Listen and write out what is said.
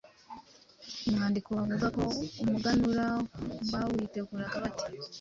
Mu mwandiko bavuga ko umuganura bawiteguraga bate?